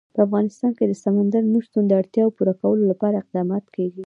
په افغانستان کې د سمندر نه شتون د اړتیاوو پوره کولو لپاره اقدامات کېږي.